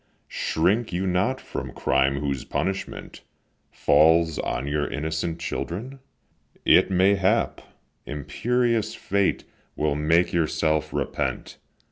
shrink you not from crime whose punishment Falls on your innocent children? it may hap Imperious Fate will make yourself repent.